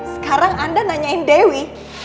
sekarang anda nanyain dewi